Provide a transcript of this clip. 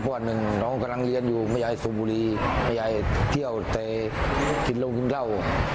เพราะว่าน้องกำลังเรียนอยู่ไม่อยากให้คุณเตียวแต่กินเร็ว